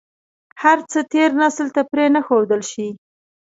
هر څه تېر نسل ته پرې نه ښودل شي.